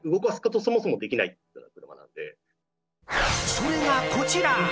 それが、こちら。